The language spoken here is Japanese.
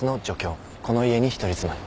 この家に一人住まい。